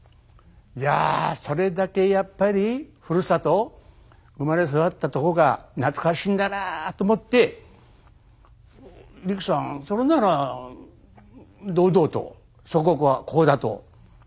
いやそれだけやっぱりふるさと生まれ育ったとこが懐かしいんだなと思ってリキさんそれなら堂々と祖国はこうだと言わないんですかと言うとね